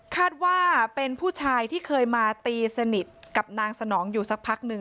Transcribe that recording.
คาดว่าเป็นผู้ชายที่เคยมาตีสนิทกับนางสนองอยู่สักพักหนึ่ง